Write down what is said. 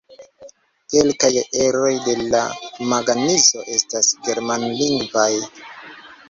Kelkaj eroj de la magazino estas germanlingvaj.